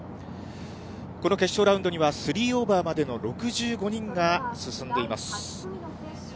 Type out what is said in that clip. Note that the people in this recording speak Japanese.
この決勝ラウンドには、３オーバーまでの６５人が進んでいます。